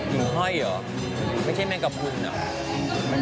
หมูห้อยเหรอไม่ใช่แมงกระพุนเหรอ